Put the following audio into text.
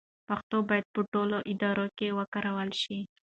پښتو باید په ټولو ادارو کې وکارول شي.